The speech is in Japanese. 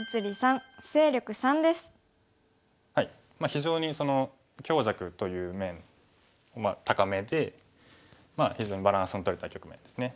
非常に強弱という面高めで非常にバランスのとれた局面ですね。